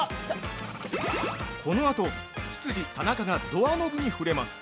このあと、執事・田中がドアノブに触れます。